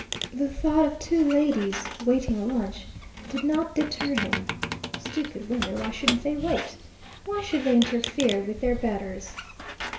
The thought of two ladies waiting lunch did not deter him; stupid women, why shouldn't they wait? Why should they interfere with their betters?